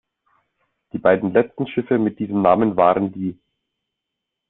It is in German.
Die beiden letzten Schiffe mit diesem Namen waren die